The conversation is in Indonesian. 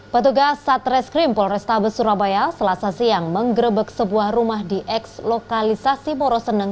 petugas satres krimpol restabes surabaya selasa siang menggerebek sebuah rumah di eks lokalisasi moroseneng